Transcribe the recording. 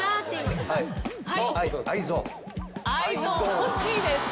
惜しいです。